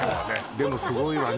でもすごいわね